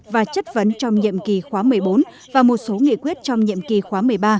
và chất vấn trong nhiệm kỳ khóa một mươi bốn và một số nghị quyết trong nhiệm kỳ khóa một mươi ba